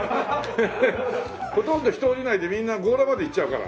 ほとんど人降りないでみんな強羅まで行っちゃうから。